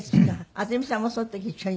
渥美さんもその時一緒に？